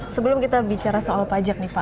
sebelum kita bicara soal pajak nih pak